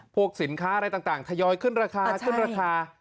พวกสินค้าอะไรต่างทยอยขึ้นราคาขึ้นราคา